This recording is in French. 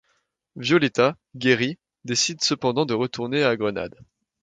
Violetta, guérie, décide cependant de retourner à Grenade.